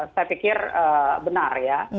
saya pikir benar ya